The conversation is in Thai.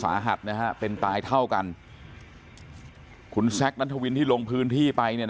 สาหัสนะฮะเป็นตายเท่ากันคุณแซคนัทวินที่ลงพื้นที่ไป